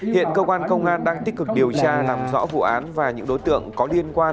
hiện cơ quan công an đang tích cực điều tra làm rõ vụ án và những đối tượng có liên quan